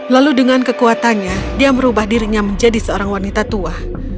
lalu dengan kekuatannya dia merubah dirinya menjadi seorang wanita tua